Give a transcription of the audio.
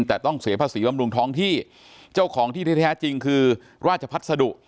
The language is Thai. แต่ต้องเสียภาษีบำรุงท้องที่เจ้าของที่แท้จริงคือราชพัสดุ